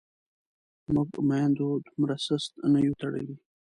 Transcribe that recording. موږ میندو دومره سست نه یو تړلي.